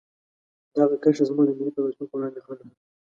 دغه کرښه زموږ د ملي پیوستون په وړاندې خنډ ده.